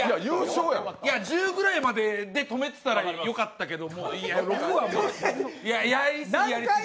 １０ぐらいで止めてたらよかったけど。